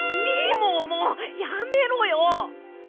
みももやめろよ！